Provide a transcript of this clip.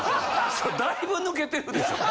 だいぶ抜けてるでしょ。